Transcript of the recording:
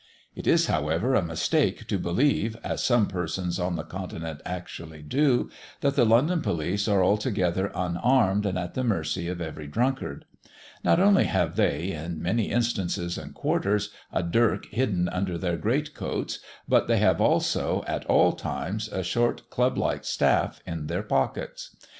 It is, however, a mistake to believe, as some persons on the continent actually do, that the London police are altogether unarmed and at the mercy of every drunkard. Not only have they, in many instances and quarters, a dirk hidden under their great coats, but they have also, at all times, a short club like staff in their pockets.